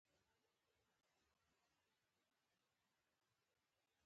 یو زاړه زمري ځان ناروغ واچاوه.